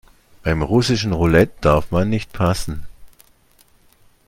Beim russischen Roulette darf man nicht passen.